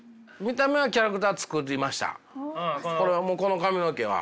この髪の毛は。